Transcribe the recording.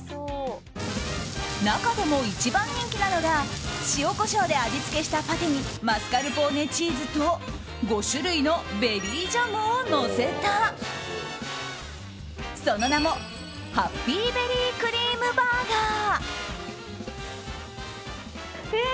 中でも一番人気なのが塩、コショウで味付けしたパテにマスカルポーネチーズと５種類のベリージャムをのせたその名もハッピーベリークリームバーガー。